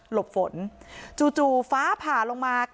บฝนจู่ฟ้าผ่าลงมา